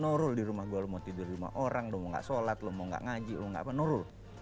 no rule di rumah gue lo mau tidur di rumah orang lo mau gak sholat lo mau gak ngaji lo mau gak apa no rule